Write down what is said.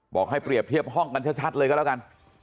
บอกให้เปรียบเทียบห้องกันชัดเลยก็แล้วกัน